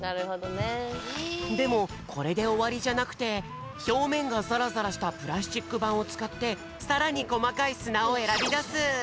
でもこれでおわりじゃなくてひょうめんがザラザラしたプラスチックばんをつかってさらにこまかいすなをえらびだす！